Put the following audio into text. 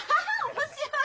面白い。